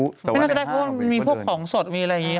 ไม่น่าจะได้เพราะว่ามีพวกของสดมีอะไรอย่างนี้